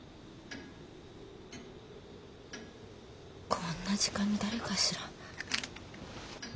こんな時間に誰かしら。